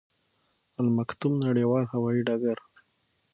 المکتوم نړیوال هوايي ډګر